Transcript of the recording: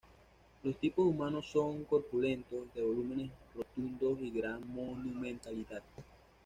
Los tipos humanos son corpulentos, de volúmenes rotundos y gran monumentalidad.